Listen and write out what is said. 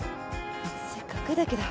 せっかくだけど。